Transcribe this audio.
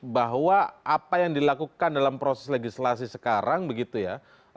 bahwa apa yang dilakukan dalam proses legislasi sekarang begitu ya